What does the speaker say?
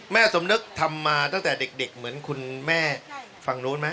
สมนึกทำมาตั้งแต่เด็กเหมือนคุณแม่ฝั่งนู้นไหม